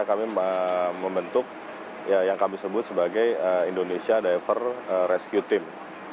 kami membentuk yang kami sebut sebagai indonesia diver rescue team